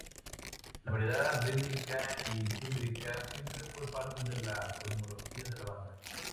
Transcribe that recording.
La variedad rítmica y tímbrica siempre fue parte de la cosmogonía de la banda.